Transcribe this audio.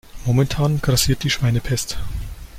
Momentan grassiert die Schweinepest.